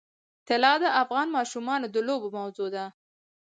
طلا د افغان ماشومانو د لوبو موضوع ده.